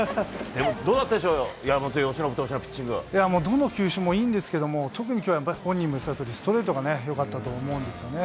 でもどうだったでしょう、どの球種もいいんですけれども、特にきょう、やっぱり本人も言っていたとおり、ストレートがよかったと思うんですよね。